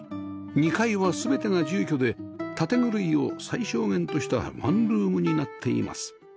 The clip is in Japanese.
２階は全てが住居で建具類を最小限としたワンルームになっています